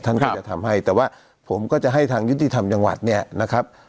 ท่านก็จะทำให้แต่ว่าผมก็จะให้ทางยุติธรรมจังหวัดเนี่ยนะครับ